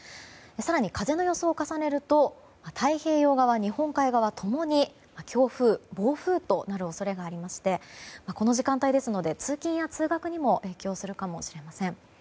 更に、風の予想を重ねると太平洋側、日本海側共に強風・暴風となる恐れがありましてこの時間帯ですので通勤や通学にも影響するかもしれません。